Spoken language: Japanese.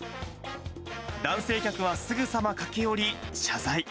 男性客はすぐさま駆け寄り、謝罪。